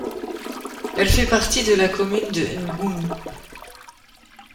Elle fait partie de la commune de Ngoumou.